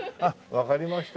わかりました。